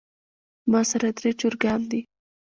ماسره درې چرګان دي